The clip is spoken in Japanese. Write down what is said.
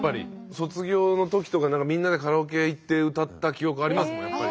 卒業の時とかみんなでカラオケ屋行って歌った記憶ありますもんやっぱり。